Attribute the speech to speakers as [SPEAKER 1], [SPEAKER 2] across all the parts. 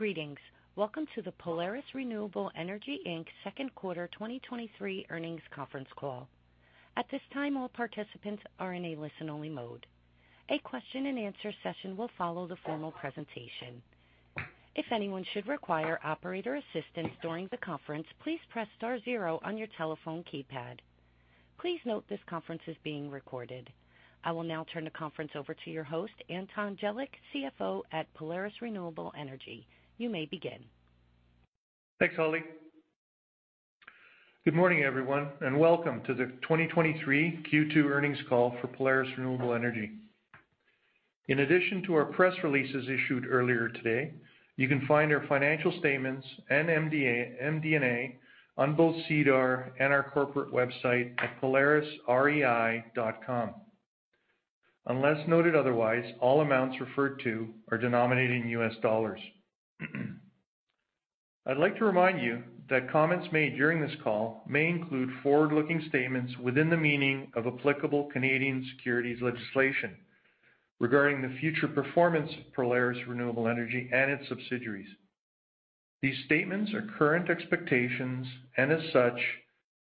[SPEAKER 1] Greetings. Welcome to the Polaris Renewable Energy Inc Second Quarter 2023 earnings conference call. At this time, all participants are in a listen-only mode. A question-and-answer session will follow the formal presentation. If anyone should require operator assistance during the conference, please press star zero on your telephone keypad. Please note this conference is being recorded. I will now turn the conference over to your host, Anton Jelic, CFO at Polaris Renewable Energy. You may begin.
[SPEAKER 2] Thanks, Holly. Good morning, everyone, and welcome to the 2023 Q2 earnings call for Polaris Renewable Energy. In addition to our press releases issued earlier today, you can find our financial statements and MD&A on both SEDAR and our corporate website at polarisrei.com. Unless noted otherwise, all amounts referred to are denominated in US dollars. I'd like to remind you that comments made during this call may include forward-looking statements within the meaning of applicable Canadian securities legislation, regarding the future performance of Polaris Renewable Energy and its subsidiaries. These statements are current expectations, and as such,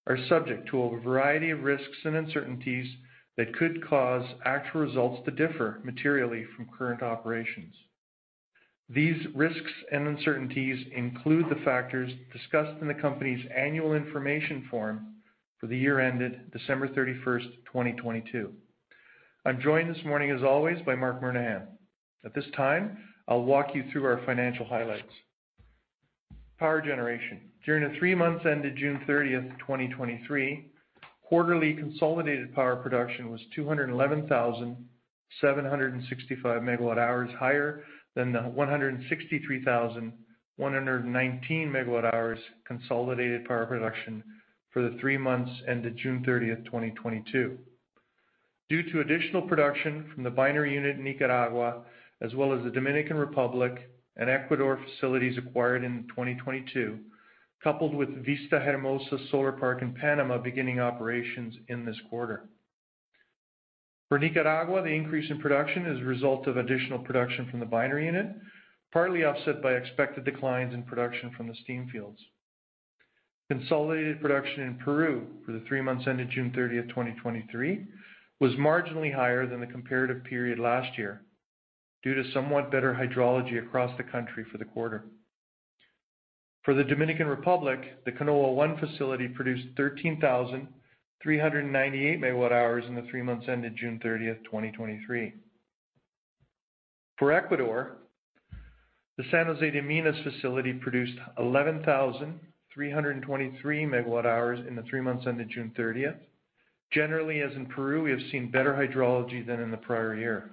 [SPEAKER 2] are subject to a variety of risks and uncertainties that could cause actual results to differ materially from current operations. These risks and uncertainties include the factors discussed in the company's annual information form for the year ended December 31st, 2022. I'm joined this morning, as always, by Marc Murnaghan. At this time, I'll walk you through our financial highlights. Power generation. During the 3 months ended June 30, 2023, quarterly consolidated power production was 211,765 megawatt hours, higher than the 163,119 megawatt hours consolidated power production for the 3 months ended June 30, 2022. Due to additional production from the binary unit in Nicaragua, as well as the Dominican Republic and Ecuador facilities acquired in 2022, coupled with Vista Hermosa Solar Park in Panama, beginning operations in this quarter. For Nicaragua, the increase in production is a result of additional production from the binary unit, partly offset by expected declines in production from the steam fields. Consolidated production in Peru for the three months ended June thirtieth, 2023, was marginally higher than the comparative period last year, due to somewhat better hydrology across the country for the quarter. The Dominican Republic, the Canoa 1 facility produced 13,398 megawatt hours in the three months ended June thirtieth, 2023. Ecuador, the San Jose de Minas facility produced 11,323 megawatt hours in the three months ended June thirtieth. Generally, as in Peru, we have seen better hydrology than in the prior year.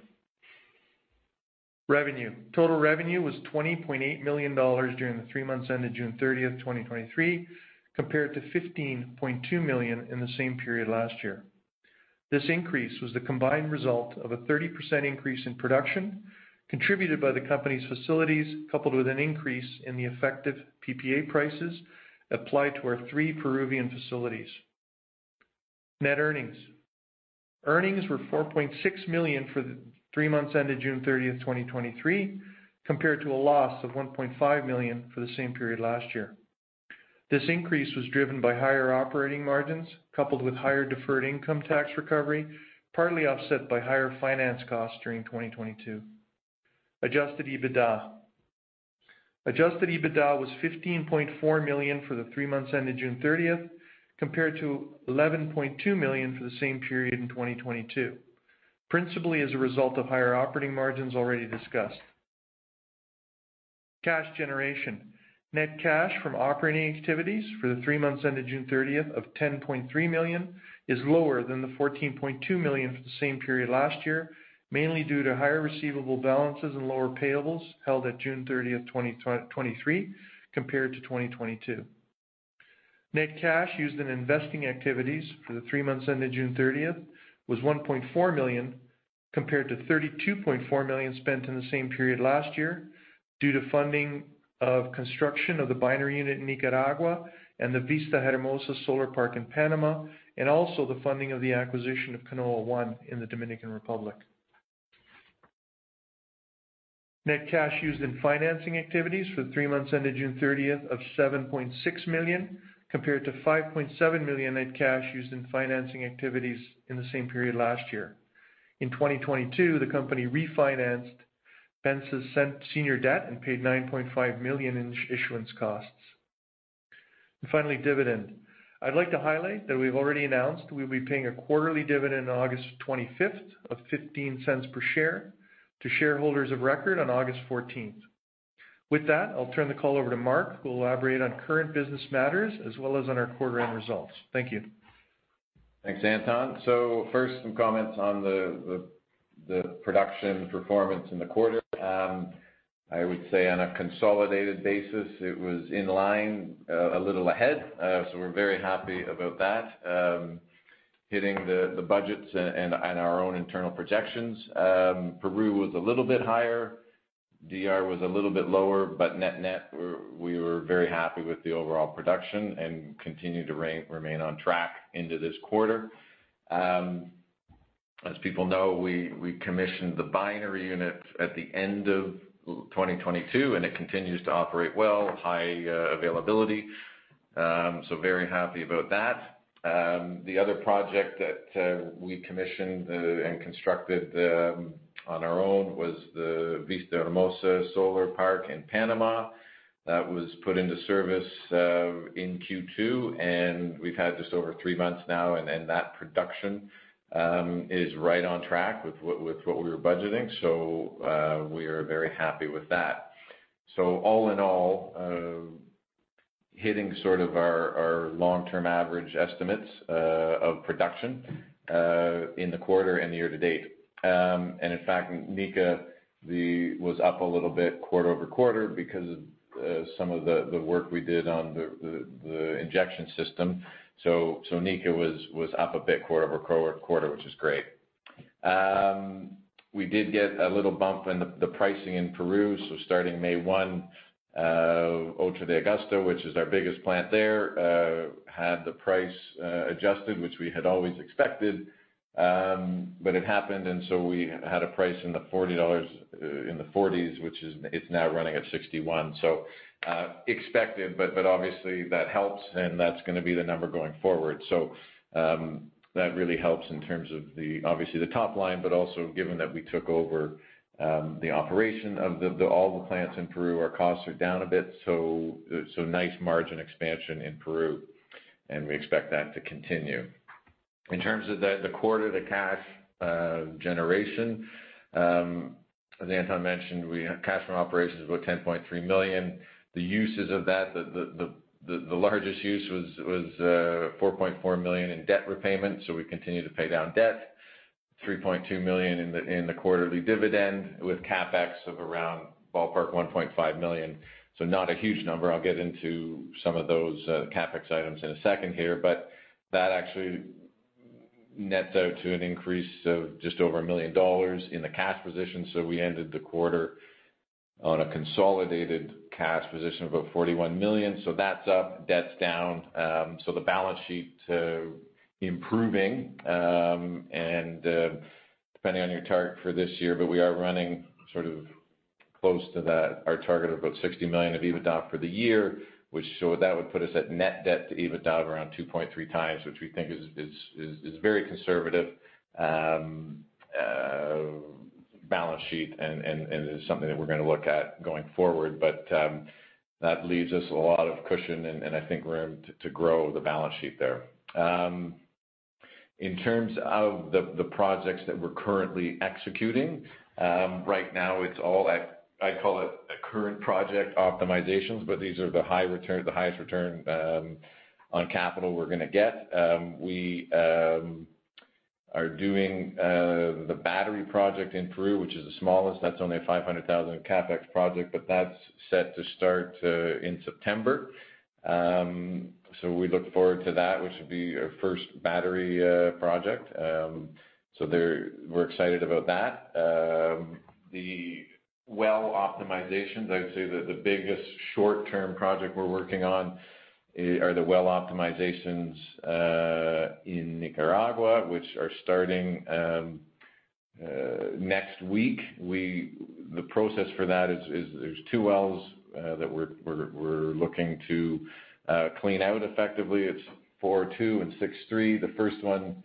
[SPEAKER 2] Revenue. Total revenue was $20.8 million during the three months ended June thirtieth, 2023, compared to $15.2 million in the same period last year. This increase was the combined result of a 30% increase in production contributed by the company's facilities, coupled with an increase in the effective PPA prices applied to our three Peruvian facilities. Net earnings. Earnings were $4.6 million for the three months ended June 30, 2023, compared to a loss of $1.5 million for the same period last year. This increase was driven by higher operating margins, coupled with higher deferred income tax recovery, partly offset by higher finance costs during 2022. Adjusted EBITDA. Adjusted EBITDA was $15.4 million for the three months ended June 30, compared to $11.2 million for the same period in 2022, principally as a result of higher operating margins already discussed. Cash generation. Net cash from operating activities for the three months ended June 30th of $10.3 million, is lower than the $14.2 million for the same period last year, mainly due to higher receivable balances and lower payables held at June 30th, 2023 compared to 2022. Net cash used in investing activities for the three months ended June 30th, was $1.4 million, compared to $32.4 million spent in the same period last year, due to funding of construction of the binary unit in Nicaragua and the Vista Hermosa Solar Park in Panama, and also the funding of the acquisition of Canoa 1 in the Dominican Republic. Net cash used in financing activities for the three months ended June 30th of $7.6 million, compared to $5.7 million net cash used in financing activities in the same period last year. In 2022, the company refinanced Pence's senior debt and paid $9.5 million in issuance costs. Finally, dividend. I'd like to highlight that we've already announced we'll be paying a quarterly dividend on August 25th, of $0.15 per share to shareholders of record on August 14th. With that, I'll turn the call over to Marc, who will elaborate on current business matters as well as on our quarter-end results. Thank you.
[SPEAKER 1] Thanks, Anton. First, some comments on the production performance in the quarter. I would say on a consolidated basis, it was in line, a little ahead. We're very happy about that, hitting the budgets and our own internal projections. Peru was a little bit higher, DR was a little bit lower, net-net, we were very happy with the overall production and continue to remain on track into this quarter....
[SPEAKER 3] as people know, we, we commissioned the binary unit at the end of 2022, and it continues to operate well, high availability. Very happy about that. The other project that we commissioned and constructed on our own was the Vista Hermosa Solar Park in Panama. That was put into service in Q2, and we've had just over three months now, and then that production is right on track with what, with what we were budgeting. We are very happy with that. All in all, hitting sort of our, our long-term average estimates of production in the quarter and the year to date. In fact, Nica was up a little bit quarter-over-quarter because of some of the, the work we did on the, the, the injection system. Nica was, was up a bit quarter-over-quarter, which is great. We did get a little bump in the pricing in Peru. Starting May 1, 8 de Agosto, which is our biggest plant there, had the price adjusted, which we had always expected. It happened, and we had a price in the $40s, which is now running at $61. Expected, but obviously, that helps, and that's gonna be the number going forward. That really helps in terms of the, obviously, the top line, but also given that we took over the operation of all the plants in Peru, our costs are down a bit, so nice margin expansion in Peru, and we expect that to continue. In terms of the, the quarter, the cash, generation, as Anton mentioned, cash from operations, about $10.3 million. The uses of that, the, the, the, the largest use was, was $4.4 million in debt repayment, so we continue to pay down debt. $3.2 million in the quarterly dividend, with CapEx of around ballpark $1.5 million. Not a huge number. I'll get into some of those CapEx items in a second here, but that actually nets out to an increase of just over $1 million in the cash position. We ended the quarter on a consolidated cash position of about $41 million. That's up, debt's down, so the balance sheet, improving. Depending on your target for this year, but we are running sort of close to that, our target of about $60 million of EBITDA for the year. That would put us at net debt-to-EBITDA of around 2.3 times, which we think is, is, is, is very conservative balance sheet and, and, and is something that we're gonna look at going forward. That leaves us a lot of cushion and, and I think room to, to grow the balance sheet there. In terms of the, the projects that we're currently executing, right now, it's all at, I call it a current project optimizations, but these are the high return, the highest return on capital we're gonna get. We are doing the battery project in Peru, which is the smallest. That's only a $500,000 CapEx project, but that's set to start in September. We look forward to that, which would be our first battery project. There, we're excited about that. The well optimizations, I would say that the biggest short-term project we're working on, are the well optimizations in Nicaragua, which are starting next week. The process for that is, is there's two wells that we're looking to clean out effectively. It's four two and six three. The first one,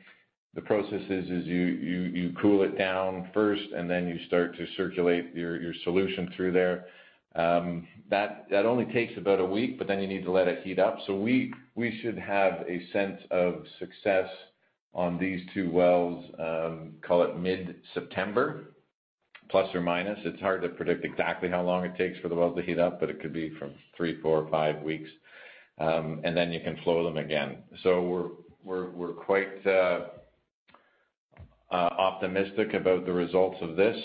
[SPEAKER 3] the process is, is you cool it down first, and then you start to circulate your solution through there. That only takes about a week, but then you need to let it heat up. We, we should have a sense of success on these two wells, call it mid-September plus or minus. It's hard to predict exactly how long it takes for the wells to heat up, but it could be from three, four, or five weeks, and then you can flow them again. We're, we're, we're quite optimistic about the results of this.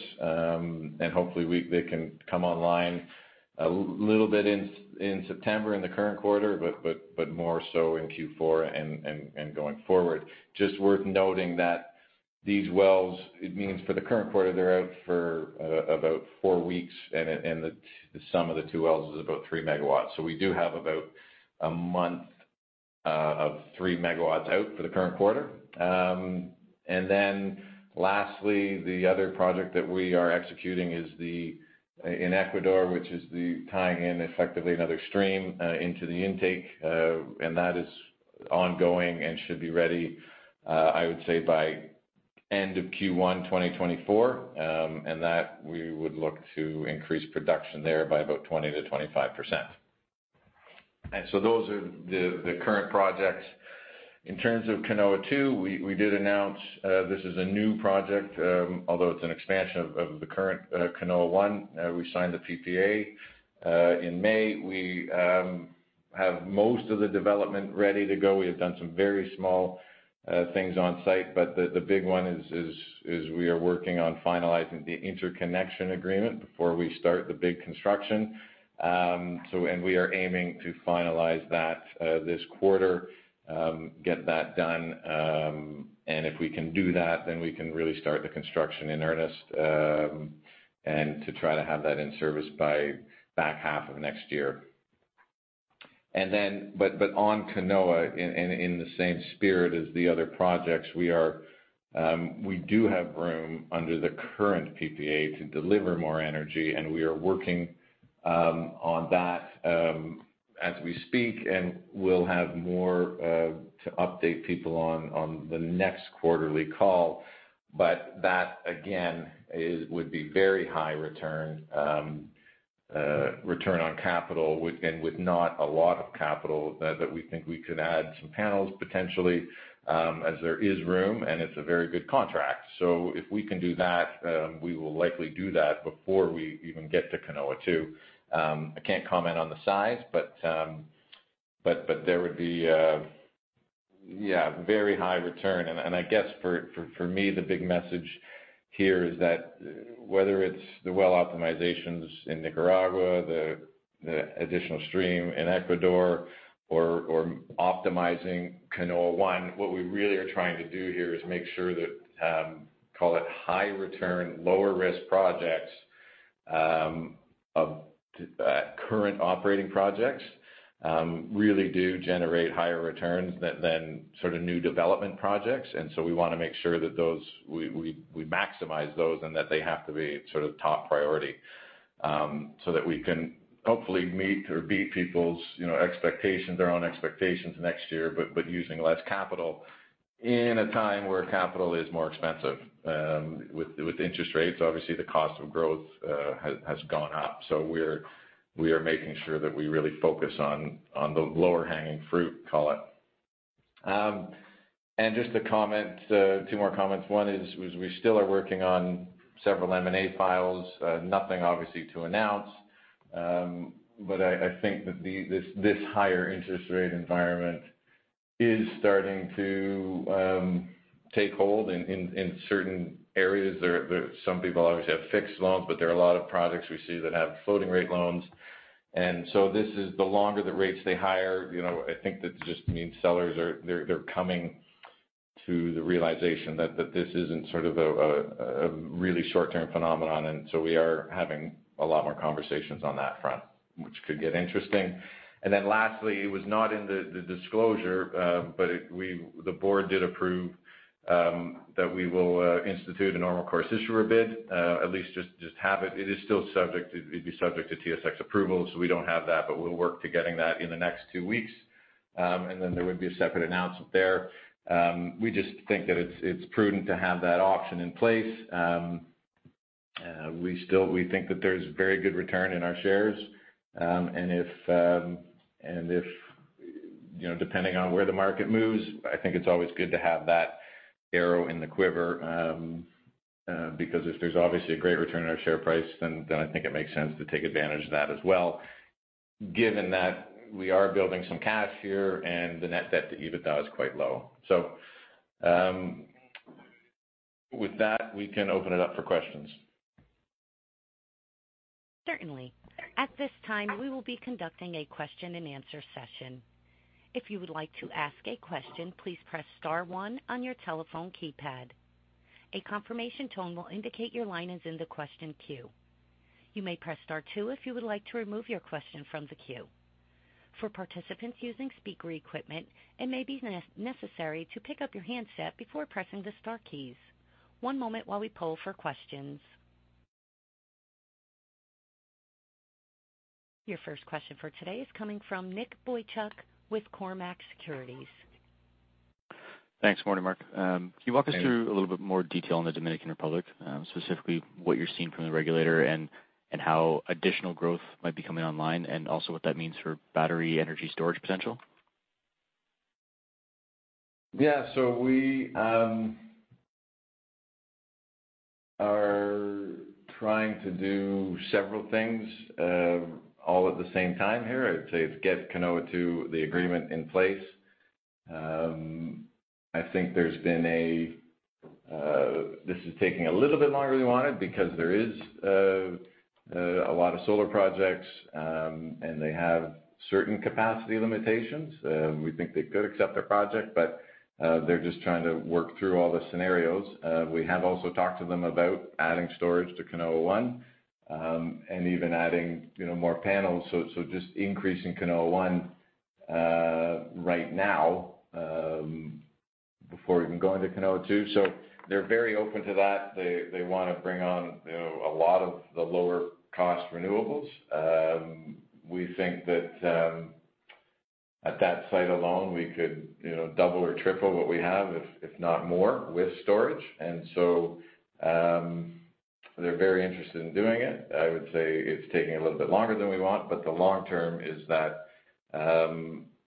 [SPEAKER 3] Hopefully, they can come online a little bit in, in September, in the current quarter, but, but, but more so in Q4 and, and, and going forward. Just worth noting that these wells, it means for the current quarter, they're out for about four weeks, and, and the, the sum of the two wells is about three megawatts. We do have about one month of three megawatts out for the current quarter. Lastly, the other project that we are executing is the- in Ecuador, which is the tying in effectively another stream into the intake, and that is ongoing and should be ready, I would say by end of Q1 2024. That we would look to increase production there by about 20%-25%. Those are the, the current projects. In terms of Canoa 2, we, we did announce, this is a new project, although it's an expansion of, of the current, Canoa 1. We signed the PPA in May. We have most of the development ready to go. We have done some very small, things on site, but the, the big one is, is, is we are working on finalizing the interconnection agreement before we start the big construction. We are aiming to finalize that this quarter, get that done. If we can do that, then we can really start the construction in earnest, and to try to have that in service by back half of next year. On Canoa, in the same spirit as the other projects, we do have room under the current PPA to deliver more energy, and we are working on that as we speak, and we'll have more to update people on the next quarterly call. That again, would be very high return on capital with not a lot of capital, that we think we could add some panels potentially, as there is room, and it's a very good contract. If we can do that, we will likely do that before we even get to Canoa 2. I can't comment on the size, but, but there would be, yeah, very high return. And, and I guess for, for, for me, the big message here is that whether it's the well optimizations in Nicaragua, the, the additional stream in Ecuador, or, or optimizing Canoa 1, what we really are trying to do here is make sure that, call it high return, lower risk projects, of, current operating projects, really do generate higher returns than, than sort of new development projects. We want to make sure that those, we maximize those, and that they have to be sort of top priority, so that we can hopefully meet or beat people's, you know, expectations, our own expectations next year. Using less capital in a time where capital is more expensive, with interest rates, obviously, the cost of growth has gone up. We are making sure that we really focus on the lower hanging fruit, call it. Just a comment, two more comments. One is, we still are working on several M&A files. Nothing obviously to announce. I think that this higher interest rate environment is starting to take hold in certain areas. There are some people obviously have fixed loans, but there are a lot of projects we see that have floating rate loans. This is the longer the rates stay higher, you know, I think that just means sellers, they're coming to the realization that this isn't sort of a really short-term phenomenon. We are having a lot more conversations on that front, which could get interesting. Lastly, it was not in the disclosure, but the board did approve that we will institute a Normal Course Issuer Bid, at least just have it. It is still subject to. It'd be subject to TSX approval. We don't have that, but we'll work to getting that in the next two weeks. There would be a separate announcement there. We just think that it's, it's prudent to have that option in place. We still- we think that there's very good return in our shares. If, you know, depending on where the market moves, I think it's always good to have that arrow in the quiver. Because if there's obviously a great return on our share price, then, then I think it makes sense to take advantage of that as well, given that we are building some cash here and the net debt-to-EBITDA is quite low. With that, we can open it up for questions.
[SPEAKER 1] Certainly. At this time, we will be conducting a question-and-answer session. If you would like to ask a question, please press star one on your telephone keypad. A confirmation tone will indicate your line is in the question queue. You may press star two if you would like to remove your question from the queue. For participants using speaker equipment, it may be necessary to pick up your handset before pressing the star keys. One moment while we poll for questions. Your first question for today is coming from Nick Boychuk with Cormark Securities.
[SPEAKER 4] Thanks. Morning, Marc.
[SPEAKER 3] Hey.
[SPEAKER 4] Can you walk us through a little bit more detail on the Dominican Republic, specifically what you're seeing from the regulator and, and how additional growth might be coming online, and also what that means for battery energy storage potential?
[SPEAKER 3] Yeah. We are trying to do several things, all at the same time here. I'd say it's get Canoa 2, the agreement in place. I think there's been a. This is taking a little bit longer than we wanted because there is a lot of solar projects, and they have certain capacity limitations. We think they could accept a project, but, they're just trying to work through all the scenarios. We have also talked to them about adding storage to Canoa 1, and even adding, you know, more panels. Just increasing Canoa 1, right now, before even going to Canoa 2. They're very open to that. They, they want to bring on, you know, a lot of the lower-cost renewables. We think that, at that site alone, we could, you know, double or triple what we have, if, if not more, with storage. They're very interested in doing it. I would say it's taking a little bit longer than we want, but the long term is that,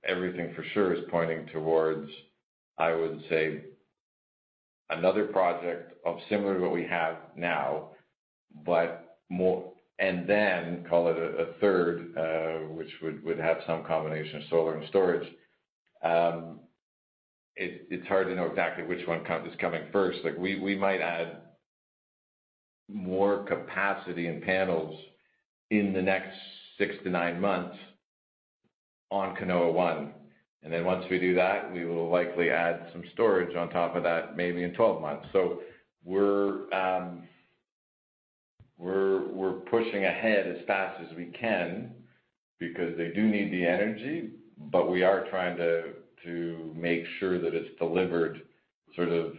[SPEAKER 3] everything for sure is pointing towards, I would say, another project of similar to what we have now, but more- and then call it a, a third, which would, would have some combination of solar and storage. It's hard to know exactly which one is coming first. Like, we, we might add more capacity and panels in the next six-nine months on Canoa 1, and then once we do that, we will likely add some storage on top of that, maybe in 12 months. We're, we're pushing ahead as fast as we can because they do need the energy, but we are trying to make sure that it's delivered sort of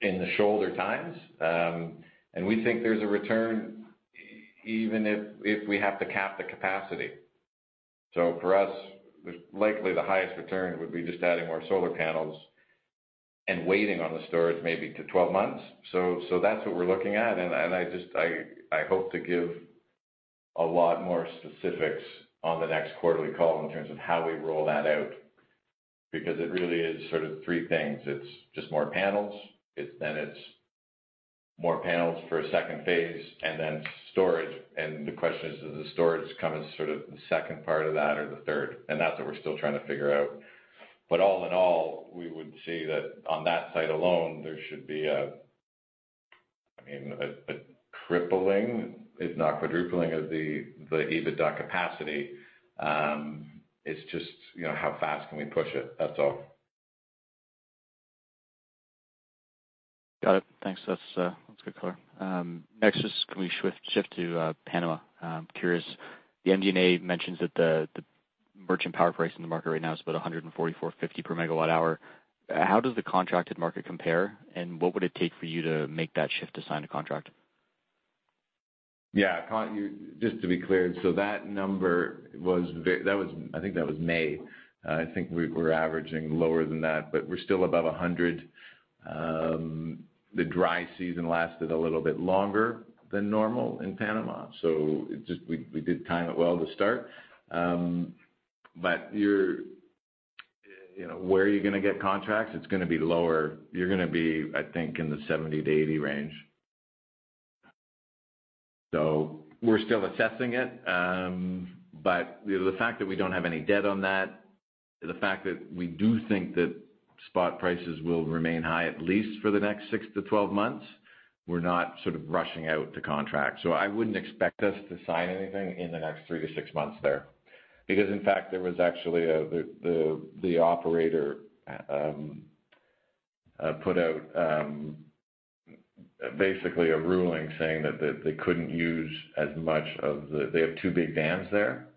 [SPEAKER 3] in the shoulder times. And we think there's a return even if we have to cap the capacity. For us, likely the highest return would be just adding more solar panels and waiting on the storage, maybe to 12 months. That's what we're looking at, and I just, I hope to give a lot more specifics on the next quarterly call in terms of how we roll that out, because it really is sort of three things. It's just more panels. Then it's more panels for a second phase, and then storage. The question is, does the storage come as sort of the second part of that or the third? That's what we're still trying to figure out. All in all, we would see that on that site alone, there should be a, I mean, a, a crippling, if not quadrupling, of the, the EBITDA capacity. It's just, you know, how fast can we push it? That's all.
[SPEAKER 4] Got it. Thanks. That's, that's good color. Next, just can we shift to Panama? I'm curious, the MD&A mentions that the, the merchant power price in the market right now is about $144.50 per megawatt hour. How does the contracted market compare? What would it take for you to make that shift to sign a contract?
[SPEAKER 3] Yeah, just to be clear, that number was I think that was May. I think we're averaging lower than that, but we're still above 100. The dry season lasted a little bit longer than normal in Panama, so it just we, we did time it well to start. You're, you know, where are you going to get contracts? It's going to be lower. You're going to be, I think, in the 70-80 range. We're still assessing it, but the fact that we don't have any debt on that, the fact that we do think that spot prices will remain high, at least for the next six-12 months, we're not sort of rushing out to contract. I wouldn't expect us to sign anything in the next three-six months there. In fact, there was actually the, the, the operator put out basically a ruling saying that they couldn't use as much of the... They have two big dams there.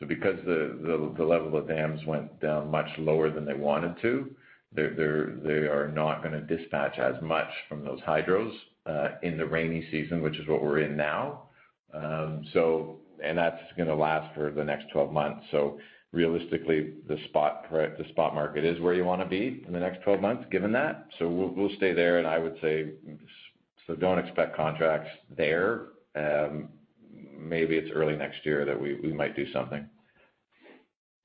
[SPEAKER 3] Because the, the, the level of dams went down much lower than they wanted to, they're not gonna dispatch as much from those hydros in the rainy season, which is what we're in now. That's gonna last for the next 12 months. Realistically, the spot the spot market is where you want to be in the next 12 months, given that. We'll, we'll stay there, and I would say, so don't expect contracts there. Maybe it's early next year that we, we might do something.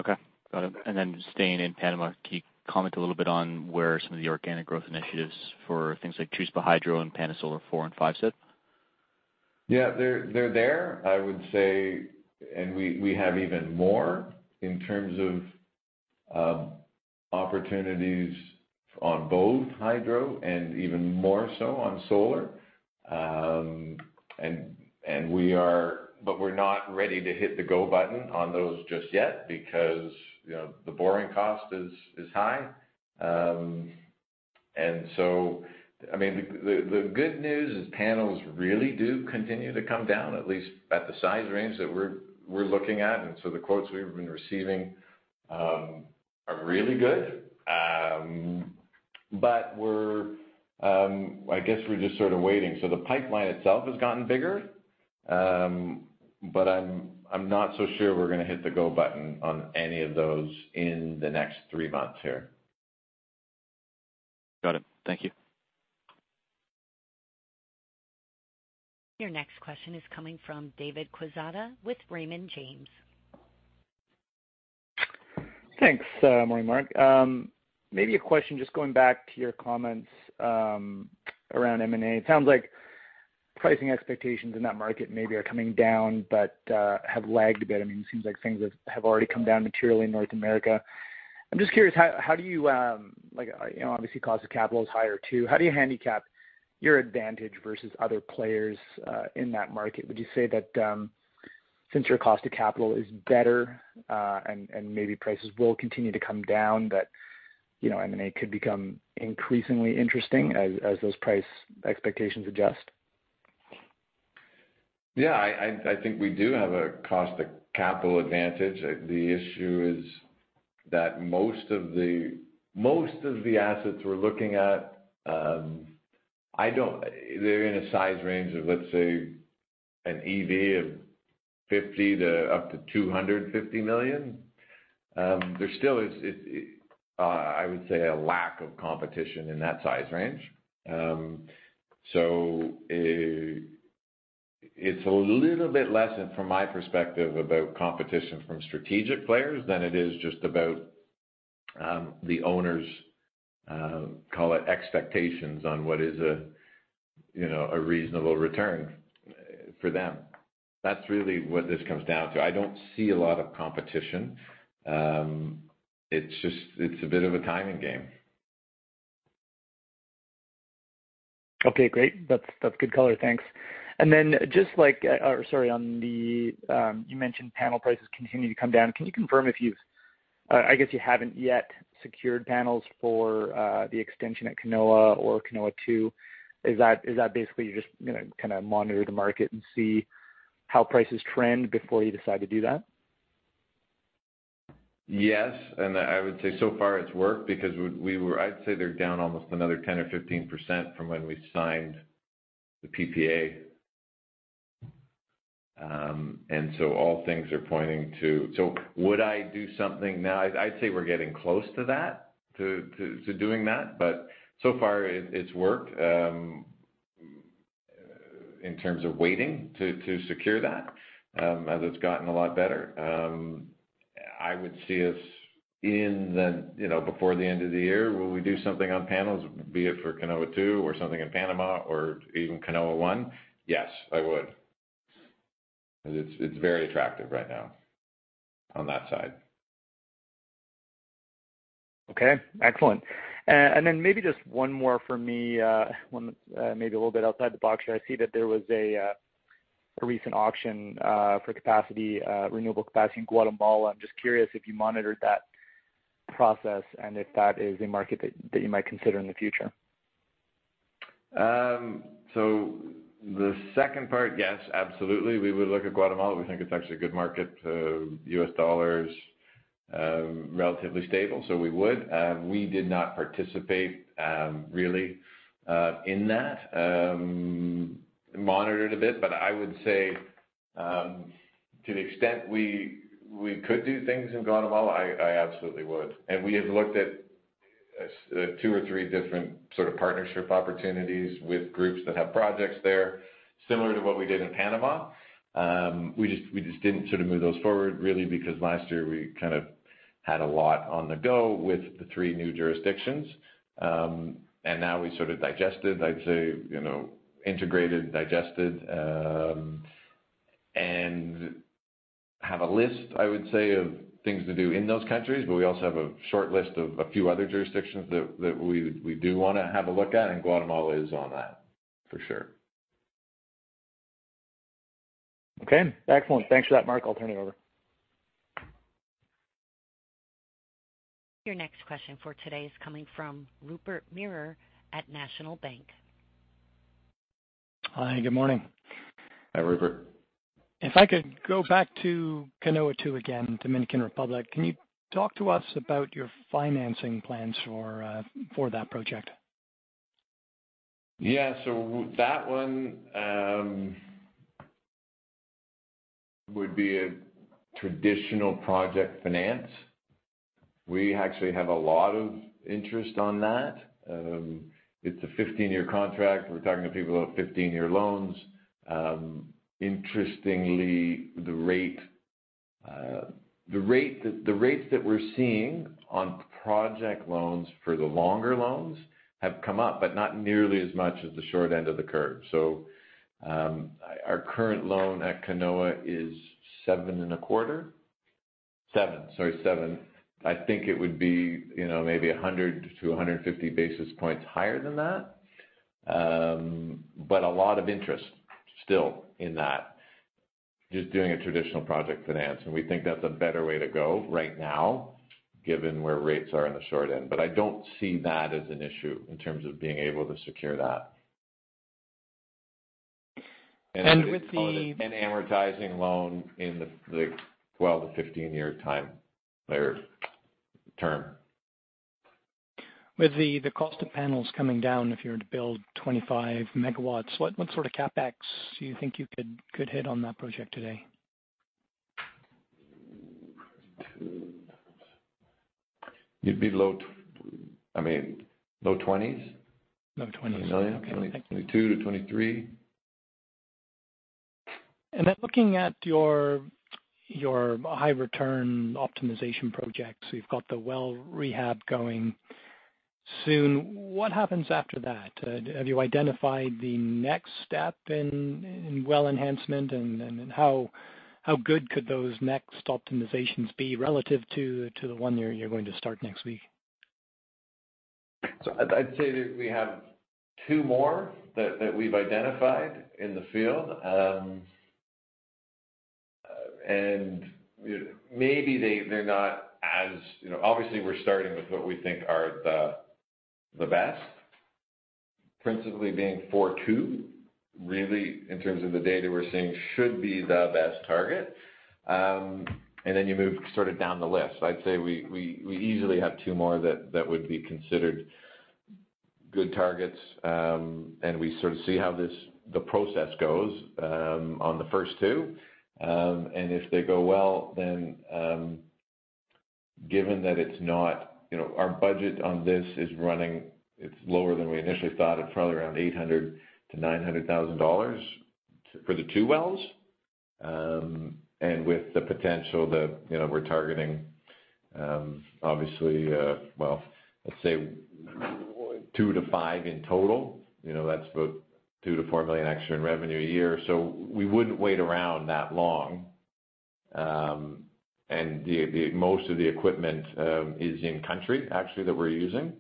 [SPEAKER 4] Okay, got it. Staying in Panama, can you comment a little bit on where some of the organic growth initiatives for things like Chiripa Hydro and Panasolar IV and V sit?
[SPEAKER 3] Yeah, they're, they're there, I would say, and we, we have even more in terms of, opportunities on both hydro and even more so on solar. And we are- but we're not ready to hit the go button on those just yet because, you know, the borrowing cost is, is high. I mean, the, the, the good news is panels really do continue to come down, at least at the size range that we're, we're looking at. The quotes we've been receiving, are really good. We're, I guess we're just sort of waiting. The pipeline itself has gotten bigger, but I'm, I'm not so sure we're gonna hit the go button on any of those in the next three months here.
[SPEAKER 4] Got it. Thank you.
[SPEAKER 1] Your next question is coming from David Quezada with Raymond James.
[SPEAKER 5] Thanks. Good morning, Marc. Maybe a question, just going back to your comments around M&A. It sounds like pricing expectations in that market maybe are coming down, but have lagged a bit. I mean, it seems like things have already come down materially in North America. I'm just curious, how do you, like, you know, obviously, cost of capital is higher, too. How do you handicap your advantage versus other players in that market? Would you say that since your cost of capital is better, and maybe prices will continue to come down, but, you know, M&A could become increasingly interesting as those price expectations adjust?
[SPEAKER 3] Yeah, I, I, I think we do have a cost of capital advantage. The, the issue is that most of the, most of the assets we're looking at, they're in a size range of, let's say, an EV of $50 million to up to $250 million. There still is, it, I would say, a lack of competition in that size range. It's a little bit less, from my perspective, about competition from strategic players than it is just about, the owners', call it, expectations on what is a, you know, a reasonable return, for them. That's really what this comes down to. I don't see a lot of competition. It's just, it's a bit of a timing game.
[SPEAKER 5] Okay, great. That's, that's good color. Thanks. Then just like, sorry, on the... You mentioned panel prices continuing to come down. Can you confirm if you've... I guess you haven't yet secured panels for the extension at Canoa or Canoa 2. Is that, is that basically you're just gonna kinda monitor the market and see how prices trend before you decide to do that?
[SPEAKER 3] Yes, I would say so far it's worked because we were-- I'd say they're down almost another 10% or 15% from when we signed the PPA. All things are pointing to-- Would I do something now? I'd say we're getting close to that, to doing that, but so far it's worked. In terms of waiting to secure that, as it's gotten a lot better. I would see us in the, you know, before the end of the year, will we do something on panels, be it for Canoa 2 or something in Panama or even Canoa 1? Yes, I would. It's very attractive right now on that side.
[SPEAKER 5] Okay, excellent. Then maybe just one more for me, one that's maybe a little bit outside the box. I see that there was a recent auction for capacity, renewable capacity in Guatemala. I'm just curious if you monitored that process and if that is a market that, that you might consider in the future.
[SPEAKER 3] The second part, yes, absolutely. We would look at Guatemala. We think it's actually a good market. US dollar is relatively stable, so we would. We did not participate really in that. Monitored a bit, but I would say, to the extent we, we could do things in Guatemala, I, I absolutely would. And we have looked at two or three different sort of partnership opportunities with groups that have projects there, similar to what we did in Panama. We just, we just didn't sort of move those forward really, because last year we kind of had a lot on the go with the three new jurisdictions. Now we sort of digested, I'd say, you know, integrated, digested, and have a list, I would say, of things to do in those countries, but we also have a short list of a few other jurisdictions that, that we, we do want to have a look at, and Guatemala is on that, for sure.
[SPEAKER 5] Okay, excellent. Thanks for that, Marc. I'll turn it over.
[SPEAKER 1] Your next question for today is coming from Rupert Merer at National Bank.
[SPEAKER 6] Hi, good morning.
[SPEAKER 3] Hi, Rupert.
[SPEAKER 6] If I could go back to Canoa 2 again, Dominican Republic. Can you talk to us about your financing plans for, for that project?
[SPEAKER 3] Yeah. That one would be a traditional project finance. We actually have a lot of interest on that. It's a 15-year contract. We're talking to people about 15-year loans. Interestingly, the rates that we're seeing on project loans for the longer loans have come up, but not nearly as much as the short end of the curve. Our current loan at Canoa is 7.25. seven, sorry. I think it would be, you know, maybe 100-150 basis points higher than that. But a lot of interest still in that, just doing a traditional project finance, and we think that's a better way to go right now, given where rates are on the short end. I don't see that as an issue in terms of being able to secure that.
[SPEAKER 6] And with the-
[SPEAKER 3] An amortizing loan in the 12-15 year time or term.
[SPEAKER 6] With the cost of panels coming down, if you were to build 25 MW, what sort of CapEx do you think you could hit on that project today?
[SPEAKER 3] It'd be low, I mean, low 20s.
[SPEAKER 6] Low 20s.
[SPEAKER 3] Million.
[SPEAKER 6] Okay.
[SPEAKER 3] 22-23.
[SPEAKER 6] Looking at your, your high return optimization projects, you've got the well rehab going soon. What happens after that? Have you identified the next step in, in well enhancement and, and in how, how good could those next optimizations be relative to, to the one you're, you're going to start next week?
[SPEAKER 3] I'd say that we have two more that, that we've identified in the field. Maybe they're not as... You know, obviously, we're starting with what we think are the, the best, principally being four two, really, in terms of the data we're seeing, should be the best target. Then you move sort of down the list. I'd say we easily have two more that, that would be considered good targets, and we sort of see how the process goes, on the first two. If they go well, then, given that it's not, you know, our budget on this is running, it's lower than we initially thought, it's probably around $800,000-$900,000 for the two wells. With the potential that, you know, we're targeting, obviously, well, let's say two to five in total, you know, that's about $2 million-$4 million extra in revenue a year. We wouldn't wait around that long. The, the most of the equipment, is in country, actually, that we're using.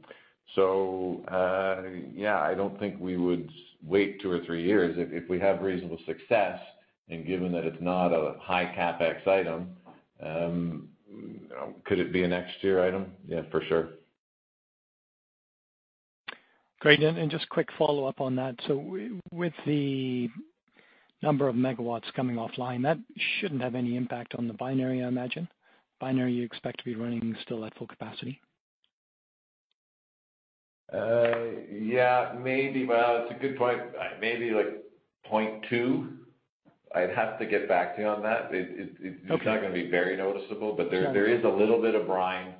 [SPEAKER 3] Yeah, I don't think we would wait two or three years. If, if we have reasonable success, and given that it's not a high CapEx item, could it be a next year item? Yeah, for sure.
[SPEAKER 6] Great. And just quick follow-up on that. With the number of megawatts coming offline, that shouldn't have any impact on the binary, I imagine? Binary, you expect to be running still at full capacity.
[SPEAKER 3] Yeah, maybe. Well, it's a good point. Maybe like point two. I'd have to get back to you on that. It.
[SPEAKER 6] Okay.
[SPEAKER 3] It's not gonna be very noticeable...
[SPEAKER 6] Sure.
[SPEAKER 3] There, there is a little bit of brine,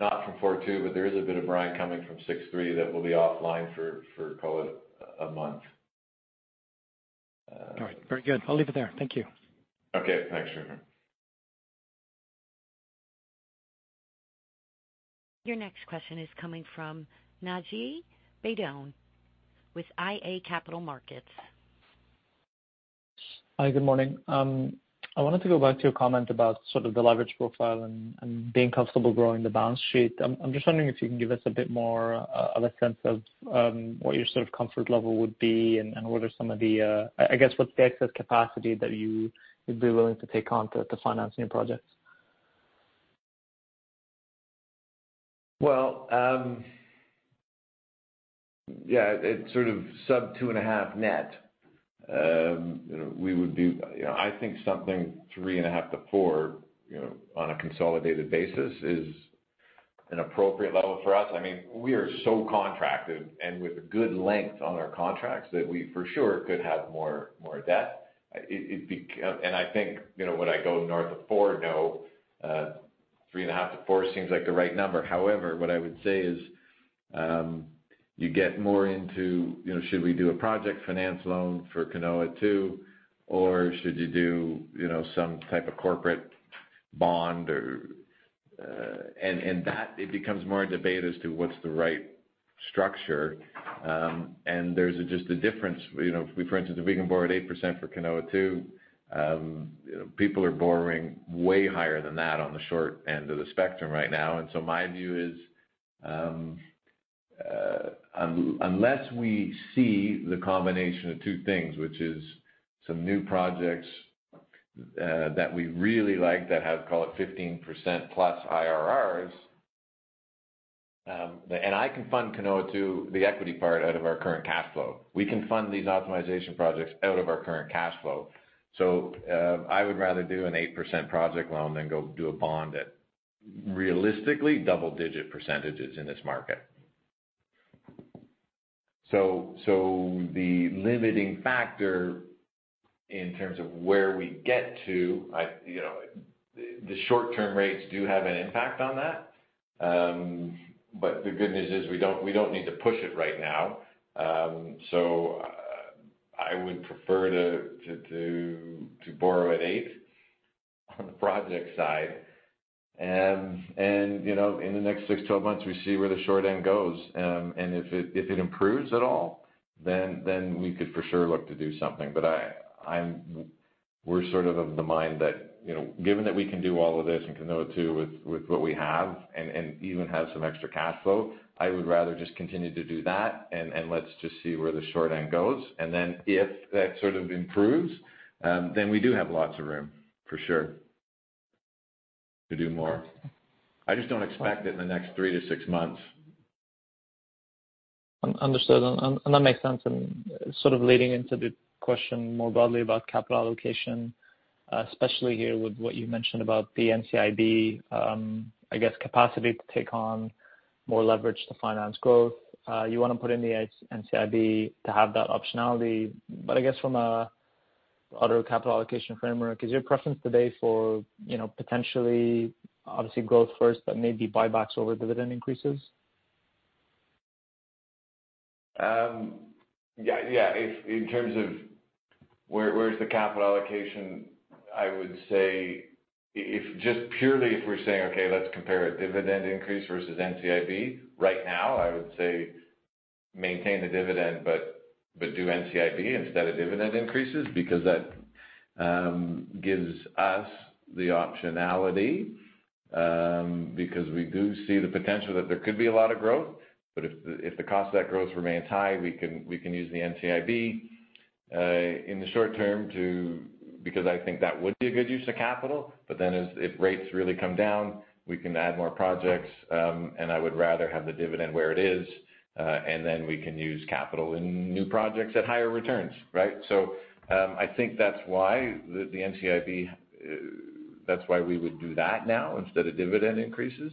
[SPEAKER 3] not from four two, but there is a bit of brine coming from six three that will be offline for, call it, 1 month.
[SPEAKER 6] All right. Very good. I'll leave it there. Thank you.
[SPEAKER 3] Okay, thanks, Trevor.
[SPEAKER 1] Your next question is coming from Naji Baydoun, with iA Capital Markets.
[SPEAKER 7] Hi, good morning. I wanted to go back to your comment about sort of the leverage profile and, and being comfortable growing the balance sheet. I'm, I'm just wondering if you can give us a bit more of a sense of what your sort of comfort level would be, and, and what are some of the... I, I guess, what's the excess capacity that you would be willing to take on to, to finance new projects?
[SPEAKER 3] Well, yeah, it's sort of sub 2.5 net. We would do... You know, I think something 3.5-four, you know, on a consolidated basis, is an appropriate level for us. I mean, we are so contracted, and with good length on our contracts, that we for sure could have more, more debt. It, it, be... And I think, you know, when I go north of four, no, 3.5-four seems like the right number. However, what I would say is, you get more into, you know, should we do a project finance loan for Canoa 2, or should you do, you know, some type of corporate bond or... And that, it becomes more a debate as to what's the right structure. There's just a difference. You know, for instance, if we can borrow at 8% for Canoa 2, people are borrowing way higher than that on the short end of the spectrum right now. My view is, unless we see the combination of two things, which is some new projects, that we really like, that have, call it 15% plus IRRs, and I can fund Canoa 2, the equity part, out of our current cash flow. We can fund these optimization projects out of our current cash flow. I would rather do an 8% project loan than go do a bond at realistically double-digit percentages in this market. The limiting factor in terms of where we get to, You know, the short-term rates do have an impact on that. The good news is, we don't, we don't need to push it right now. I would prefer to borrow at eight on the project side. And, you know, in the next six, 12 months, we see where the short end goes, and if it, if it improves at all, then we could for sure look to do something. I'm sort of, of the mind that, you know, given that we can do all of this in Canoa 2 with, with what we have and, and even have some extra cash flow, I would rather just continue to do that, and let's just see where the short end goes. Then if that sort of improves, then we do have lots of room, for sure, to do more. I just don't expect it in the next three-6 months.
[SPEAKER 7] understood, and that makes sense. Sort of leading into the question more broadly about capital allocation, especially here with what you mentioned about the NCIB, I guess capacity to take on more leverage to finance growth. You want to put in the NCIB to have that optionality. I guess from a other capital allocation framework, is your preference today for, you know, potentially, obviously growth first, but maybe buybacks over dividend increases?
[SPEAKER 3] Yeah, yeah. If, in terms of where, where is the capital allocation, I would say if just purely if we're saying, okay, let's compare a dividend increase versus NCIB, right now, I would say maintain the dividend, but do NCIB instead of dividend increases, because that gives us the optionality, because we do see the potential that there could be a lot of growth. If the, if the cost of that growth remains high, we can, we can use the NCIB in the short term, because I think that would be a good use of capital. Then if rates really come down, we can add more projects, and I would rather have the dividend where it is, and then we can use capital in new projects at higher returns, right? I think that's why the NCIB, that's why we would do that now instead of dividend increases.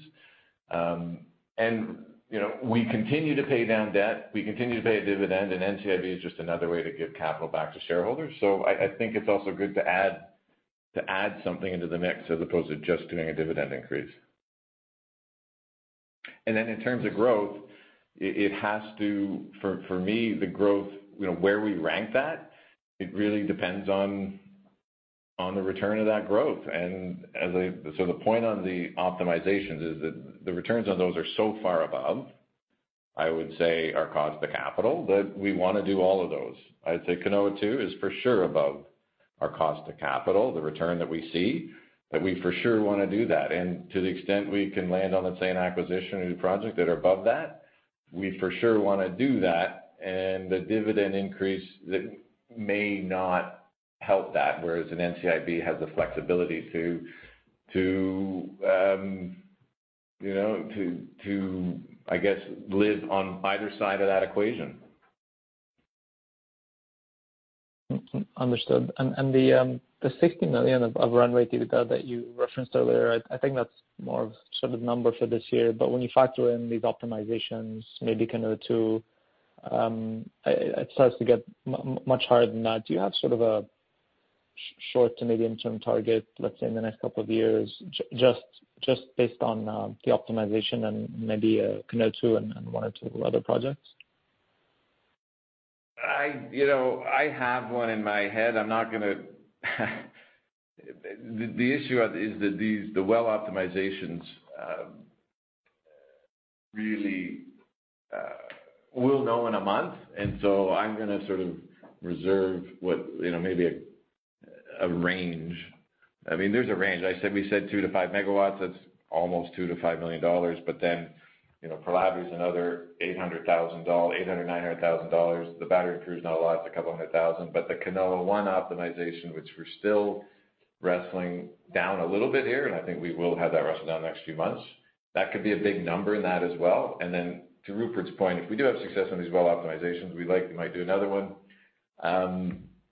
[SPEAKER 3] You know, we continue to pay down debt, we continue to pay a dividend, NCIB is just another way to give capital back to shareholders. I, I think it's also good to add, to add something into the mix as opposed to just doing a dividend increase. In terms of growth, for, for me, the growth, you know, where we rank that, it really depends on, on the return of that growth. The point on the optimizations is that the returns on those are so far above, I would say, our cost of capital, that we want to do all of those. I'd say Canoa 2 is for sure above. our cost to capital, the return that we see, that we for sure want to do that. To the extent we can land on, let's say, an acquisition or new project that are above that, we for sure want to do that, and the dividend increase that may not help that, whereas an NCIB has the flexibility to, to, you know, to, to, I guess, live on either side of that equation.
[SPEAKER 7] Understood. The $60 million of runway EBITDA that you referenced earlier, I think that's more of sort of number for this year. When you factor in these optimizations, maybe kind of two, it starts to get much higher than that. Do you have sort of a short to medium-term target, let's say, in the next couple of years, just, just based on the optimization and maybe Canoa 2 and, and one or two other projects?
[SPEAKER 3] You know, I have one in my head. I'm not gonna. The issue is that the well optimizations really we'll know in a month. So I'm gonna sort of reserve what, you know, maybe a range. I mean, there's a range. I said, we said 2-5 megawatts, that's almost $2 million-$5 million. Then, you know, palavi is another $800,000-$900,000. The battery crew is not a lot, it's $200,000. The Canoa 1 optimization, which we're still wrestling down a little bit here, and I think we will have that wrestled down the next few months, that could be a big number in that as well. Then to Rupert's point, if we do have success on these well optimizations, we like, we might do another one.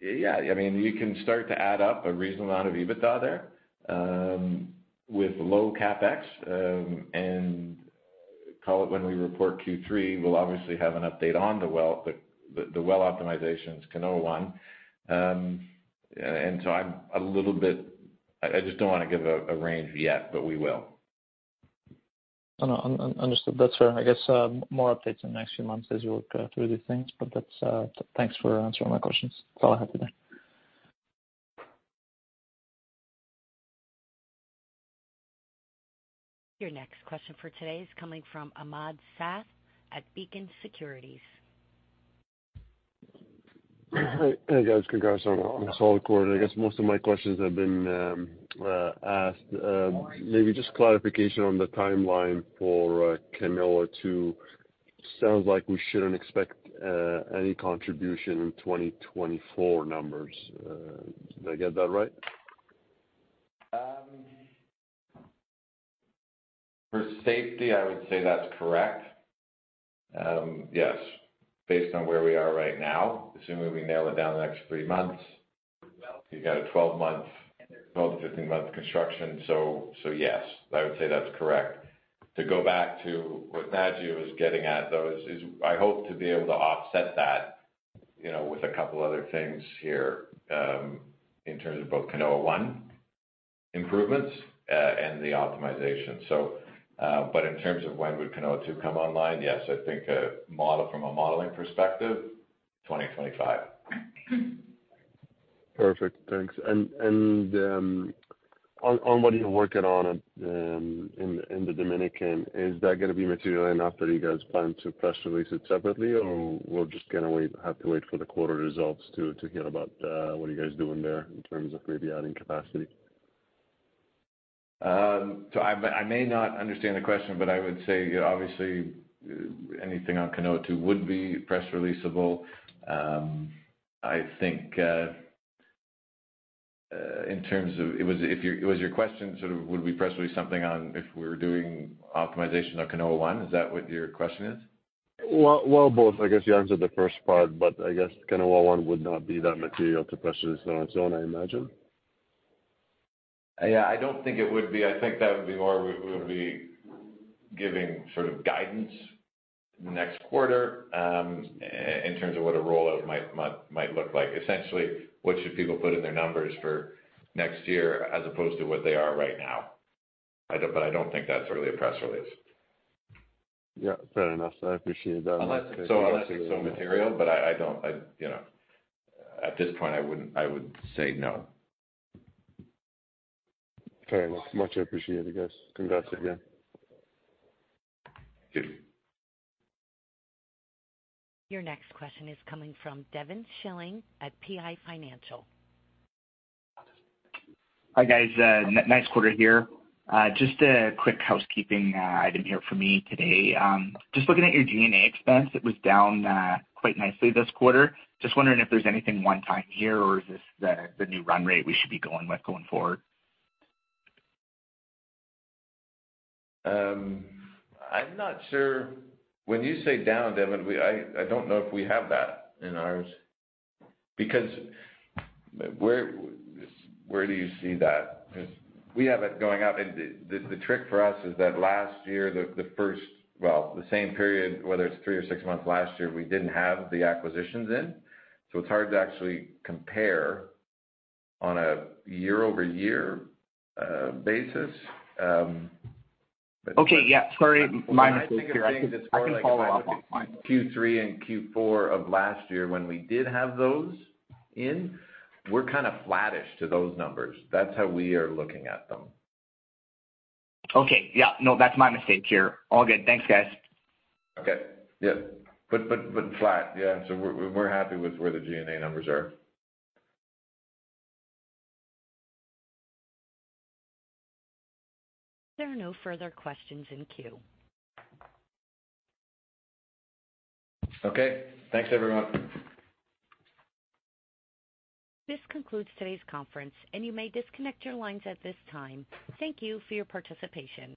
[SPEAKER 3] Yeah, I mean, you can start to add up a reasonable amount of EBITDA there, with low CapEx, and call it when we report Q3, we'll obviously have an update on the well, the, the well optimizations, Canoa 1. So I'm a little bit... I, I just don't want to give a range yet, but we will.
[SPEAKER 7] No, understood. That's fair. I guess, more updates in the next few months as you work through these things. That's... Thanks for answering my questions. That's all I have today.
[SPEAKER 1] Your next question for today is coming from Ahmad Shaath at Beacon Securities.
[SPEAKER 8] Hey, guys, congrats on a solid quarter. I guess most of my questions have been asked. Maybe just clarification on the timeline for Canoa 2. Sounds like we shouldn't expect any contribution in 2024 numbers. Did I get that right?
[SPEAKER 3] For safety, I would say that's correct. Yes, based on where we are right now, assuming we nail it down the next three months, you got a 12-month, 12-15-month construction. Yes, I would say that's correct. To go back to what Matthew was getting at, though, is, is I hope to be able to offset that, you know, with a couple other things here, in terms of both Canoa 1 improvements and the optimization. In terms of when would Canoa 2 come online, yes, I think a model from a modeling perspective, 2025.
[SPEAKER 8] Perfect, thanks. On what you're working on, in the Dominican, is that gonna be material enough that you guys plan to press release it separately, or we'll just gonna have to wait for the quarter results to hear about, what are you guys doing there in terms of maybe adding capacity?
[SPEAKER 3] I, I may not understand the question, but I would say, obviously, anything on Canoa 2 would be press releasable. I think, in terms of... Was your question sort of, would we press release something on if we're doing optimization on Canoa 1? Is that what your question is?
[SPEAKER 8] Well, well, both. I guess you answered the first part, but I guess Canoa 1 would not be that material to press release on its own, I imagine.
[SPEAKER 3] Yeah, I don't think it would be. I think that would be more we, we'll be giving sort of guidance next quarter in terms of what a rollout might, might, might look like. Essentially, what should people put in their numbers for next year as opposed to what they are right now? I don't think that's really a press release.
[SPEAKER 8] Yeah, fair enough. I appreciate that.
[SPEAKER 3] Unless it's so material, but I, I don't, I, you know, at this point, I would say no.
[SPEAKER 8] Fair enough. Much appreciated, I guess. Congrats again.
[SPEAKER 3] Thank you.
[SPEAKER 1] Your next question is coming from Devin Shilling at PI Financial.
[SPEAKER 9] Hi, guys. Nice quarter here. Just a quick housekeeping item here for me today. Just looking at your G&A expense, it was down quite nicely this quarter. Just wondering if there's anything one-time here, or is this the, the new run rate we should be going with going forward?
[SPEAKER 3] I'm not sure. When you say down, Devin, we, I, I don't know if we have that in ours, because where, where do you see that? We have it going up. The, the trick for us is that last year, the, the first. Well, the same period, whether it's three or six months last year, we didn't have the acquisitions in, so it's hard to actually compare on a year-over-year basis.
[SPEAKER 9] Okay, yeah, sorry. My mistake here. I can follow up on that.
[SPEAKER 3] Q3, Q4 of last year, when we did have those in, we're kind of flattish to those numbers. That's how we are looking at them.
[SPEAKER 9] Okay, yeah. No, that's my mistake here. All good. Thanks, guys.
[SPEAKER 3] Okay. Yeah, but, but, but flat, yeah. We're happy with where the G&A numbers are.
[SPEAKER 1] There are no further questions in queue.
[SPEAKER 3] Okay. Thanks, everyone.
[SPEAKER 1] This concludes today's conference, and you may disconnect your lines at this time. Thank you for your participation.